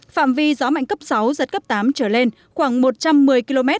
phạm vi gió mạnh cấp sáu giật cấp tám trở lên khoảng một trăm một mươi km